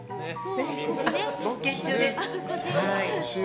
冒険中ですね。